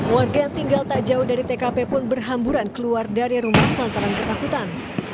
warga yang tinggal tak jauh dari tkp pun berhamburan keluar dari rumah lantaran ketakutan